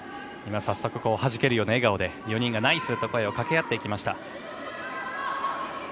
早速はじけるような笑顔で４人が、ナイス！と声をかけ合っていきました。